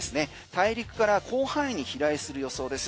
大陸から広範囲に飛来する予想です。